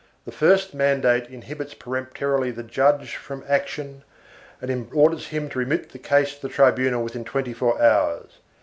The first mandate inhibits peremptorily the judge from action and orders him to remit the case to the tribunal within twenty four hours.